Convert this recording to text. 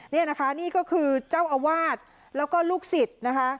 นี่นะคะนี่ก็คือเจ้าอาวาสแล้วก็ลูกศิษย์นะคะ